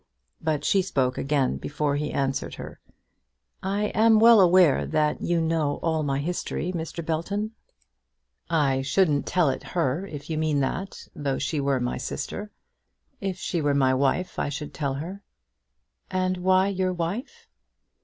But she spoke again before he answered her. "I am well aware that you know all my history, Mr. Belton." "I shouldn't tell it her, if you mean that, though she were my sister. If she were my wife I should tell her." "And why your wife?"